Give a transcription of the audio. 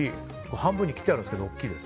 半分に切ってあるけど大きいです。